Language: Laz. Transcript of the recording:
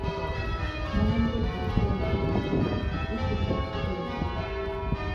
Ma hem bozo so ren komiçkin, it̆u şakis domitzu.